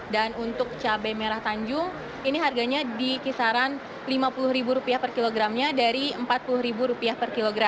dan untuk cabai merah tanjung ini harganya di kisaran rp lima puluh per kilogramnya dari rp empat puluh